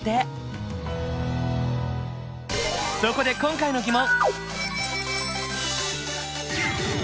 そこで今回の疑問！